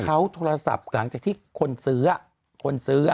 เขาโทรศัพท์หลังจากที่คนซื้อ